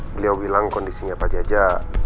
beliau bilang kondisinya pak jaja